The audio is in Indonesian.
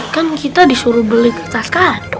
kan kita disuruh beli kertas kado